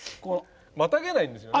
またげないんですよね。